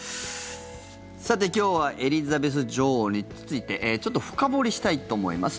さて、今日はエリザベス女王についてちょっと深掘りしたいと思います。